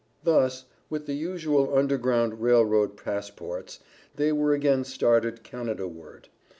Thus, with the usual Underground Rail Road passports, they were again started Canada ward.